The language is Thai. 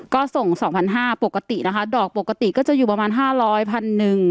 ก็ส่งสองพันห้าปกตินะคะดอกปกติก็จะอยู่ประมาณห้าร้อยพันหนึ่ง